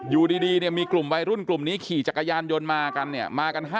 อยู่ดีมีกลุ่มรุ่นนี้ขี่จักรยานยนต์มากัน